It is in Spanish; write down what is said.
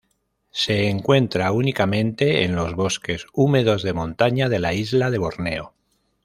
Se encuentra únicamente en los bosques húmedos de montaña de la isla de Borneo.